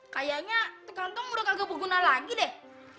kayaknya kantong udah kagak berguna lagi deh